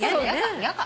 嫌か。